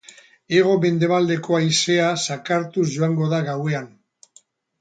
Hego-mendebaldeko haizea zakartuz joango da gauean.